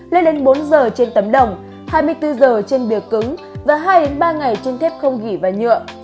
lên đến bốn giờ trên tấm đồng hai mươi bốn giờ trên bìa cứng và hai ba ngày trên thép không ghi và nhựa